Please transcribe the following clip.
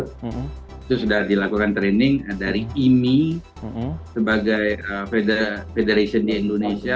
itu sudah dilakukan training dari imi sebagai federation di indonesia